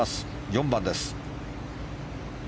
４番です。